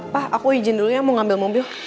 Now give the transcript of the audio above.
pak aku izin dulunya mau ngambil mobil